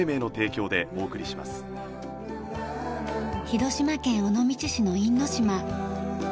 広島県尾道市の因島。